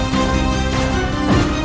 kau tidak bisa menang